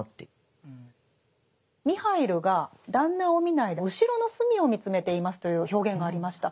「ミハイルがだんなを見ないで後ろの隅を見つめています」という表現がありました。